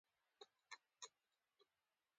د فلمونو جوړونه یوه هنري چاره ده.